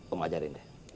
om ajarin deh